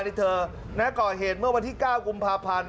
ที่เธอก่อเหตุเมื่อวันที่๙กุมภาพันธ์